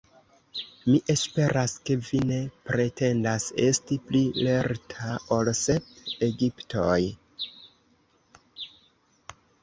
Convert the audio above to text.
Mi esperas, ke vi ne pretendas esti pli lerta ol sep Egiptoj!